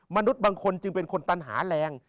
มนุษย์บางคนจึงเป็นคนตันหาแรง